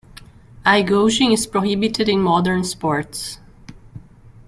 Eye-gouging is prohibited in modern sports.